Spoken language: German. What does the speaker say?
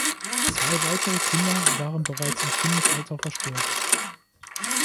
Zwei weitere Kinder waren bereits im Kindesalter verstorben.